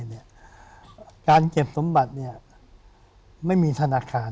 ดรบ๊วยบ้านไอ้ศาสตร์ที่นี่การเก็บสมบัติเนี่ยไม่มีธนาคาร